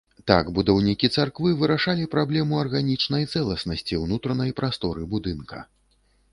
Так будаўнікі царквы вырашалі праблему арганічнай цэласнасці ўнутранай прасторы будынка.